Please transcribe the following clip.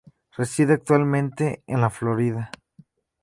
Reside actualmente en la Florida.